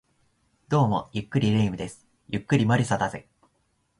どうも、ゆっくり霊夢です。ゆっくり魔理沙だぜ